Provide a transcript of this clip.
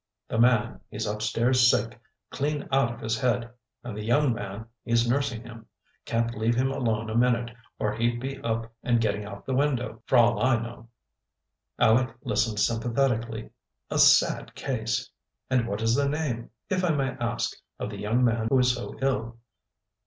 The man, he's up stairs sick, clean out of his head; and the young man, he's nursing him. Can't leave him alone a minute, or he'd be up and getting out the window, f'rall I know." Aleck listened sympathetically. "A sad case! And what is the name, if I may ask, of the young man who is so ill?"